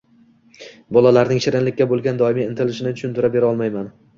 bolalarning shirinlikka bo‘lgan doimiy intilishini tushuntirib bera olmayman.